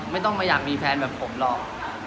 ไม่ต้องมาอยากมีแฟนแบบผมหรอก